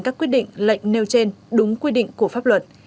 các quyết định lệnh nêu trên đúng quy định của pháp luật